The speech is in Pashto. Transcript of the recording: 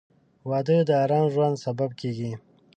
• واده د ارام ژوند سبب کېږي.